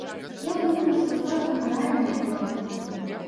Я думаю, што цалкам рэальныя планы.